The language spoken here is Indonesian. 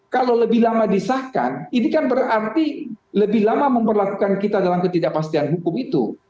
kalau lebih lama disahkan ini kan berarti lebih lama memperlakukan kita dalam ketidakpastian hukum itu